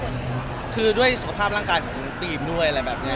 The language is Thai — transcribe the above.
ใช่คือดูด้วยทรงภาพร่างกายของพี่ฟิมด้วย